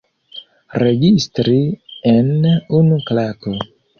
Registri en unu klako.